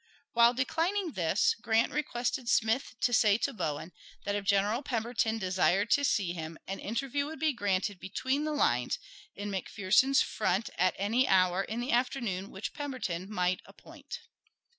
While declining this, Grant requested Smith to say to Bowen that if General Pemberton desired to see him an interview would be granted between the lines in McPherson's front at any hour in the afternoon which Pemberton might appoint.